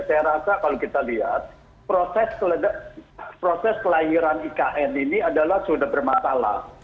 saya rasa kalau kita lihat proses kelahiran ikn ini adalah sudah bermasalah